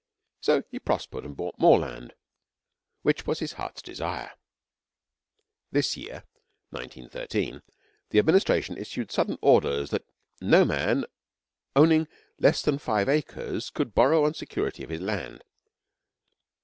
So he prospered and bought more land, which was his heart's desire. This year 1913 the administration issued sudden orders that no man owning less than five acres could borrow on security of his land.